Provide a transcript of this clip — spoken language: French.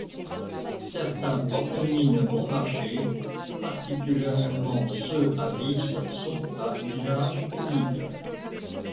Certains portemines bon marché, particulièrement ceux à vis, sont à usage unique.